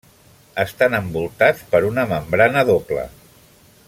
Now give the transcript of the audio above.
Estan envoltats per una membrana doble.